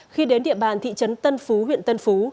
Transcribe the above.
khi đến địa bàn thị trấn tân phú huyện tân phú